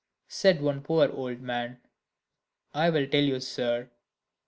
said one poor old man, "I will tell you, sir.